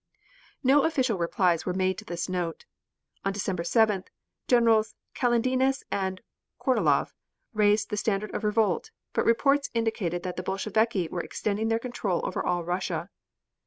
No official replies were made to this note. On December 7th, Generals Kaledines and Kornilov raised the standard of revolt, but reports indicated that the Bolsheviki were extending their control over all Russia.